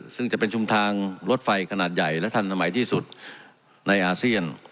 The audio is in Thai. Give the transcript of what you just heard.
ซึ่งจะเป็นชุมทางรถไฟขนาดใหญ่และทันสมัยที่สุดในอาเซียน